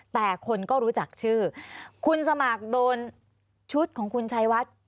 แต่คนก็รู้จักชื่อคุณสมัครโดนชุดของคุณชัยวัด